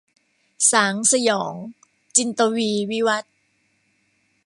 สางสยอง - จินตวีร์ วิวัธน์